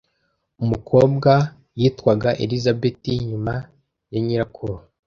Umukobwa yitwaga Elizabeti nyuma ya nyirakuru.